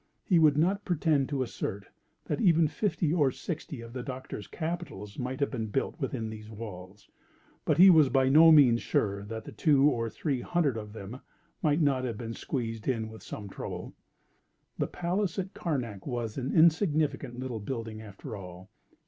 He would not pretend to assert that even fifty or sixty of the Doctor's Capitols might have been built within these walls, but he was by no means sure that two or three hundred of them might not have been squeezed in with some trouble. That palace at Carnac was an insignificant little building after all.